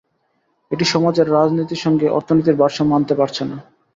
এটি সমাজে রাজনীতির সঙ্গে অর্থনীতির ভারসাম্য আনতে পারছে না।